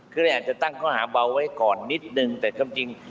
คือเนี่ยอาจจะตั้งข้อหาเบาไว้ก่อนนิดนึงแต่ความจริง